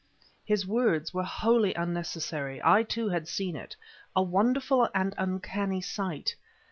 His words were wholly unnecessary. I, too, had seen it; a wonderful and uncanny sight.